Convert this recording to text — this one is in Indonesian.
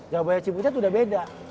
jawabannya cibutet udah beda